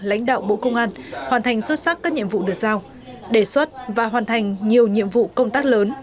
lãnh đạo bộ công an hoàn thành xuất sắc các nhiệm vụ được giao đề xuất và hoàn thành nhiều nhiệm vụ công tác lớn